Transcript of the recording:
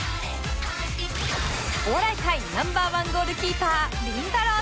お笑い界 Ｎｏ．１ ゴールキーパーりんたろー。